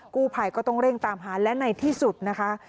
กู้ภัยก็ต้องเร่งตามหาและในที่สุดนะคะ